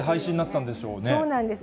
そうなんです。